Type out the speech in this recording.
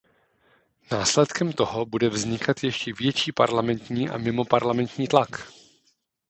Následkem toho bude vznikat ještě větší parlamentní a mimoparlamentní tlak.